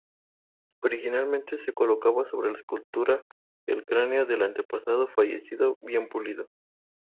Originalmente, se colocaba sobre la escultura el cráneo del antepasado fallecido bien pulido.